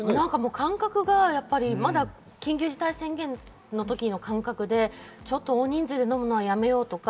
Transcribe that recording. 感覚がまだ緊急事態宣言の時の感覚で大人数で飲むのはやめようとか。